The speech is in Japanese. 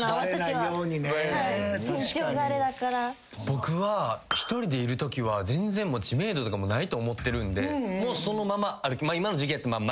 僕は１人でいるときは全然知名度とかもないと思ってるんでもうそのまま今の時期やったらマスクだけとか。